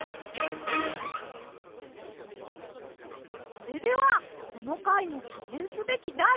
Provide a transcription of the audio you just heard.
それではこのかいのきねんすべきだい